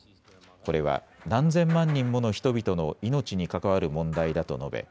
これは何千万人もの人々の命に関わる問題だと述べ